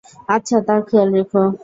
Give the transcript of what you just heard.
আচ্ছা তার খেয়াল রেখো।